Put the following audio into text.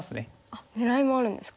あっねらいもあるんですか。